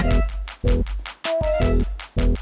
ya troumah pak